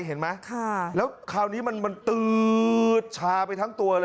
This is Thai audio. เห็นมั้ยค่ะแล้วคราวนี้มันมันชาไปทั้งตัวเลย